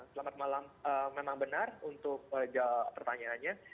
selamat malam memang benar untuk pertanyaannya